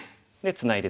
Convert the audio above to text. ツナいで